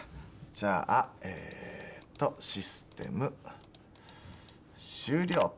じゃあえっとシステム終了と。